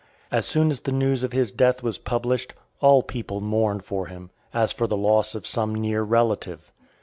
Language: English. As soon as the news of his death was published, all people mourned for him, as for the loss of some near relative.